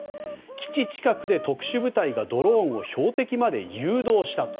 基地近くで特殊部隊がドローンを標的まで誘導したと。